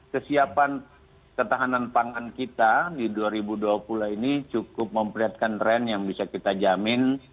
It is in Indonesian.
kesiapan ketahanan pangan kita di dua ribu dua puluh ini cukup memperlihatkan tren yang bisa kita jamin